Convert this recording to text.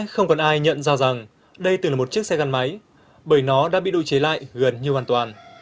không còn ai nhận ra rằng đây từng là một chiếc xe gắn máy bởi nó đã bị độ chế lại gần như hoàn toàn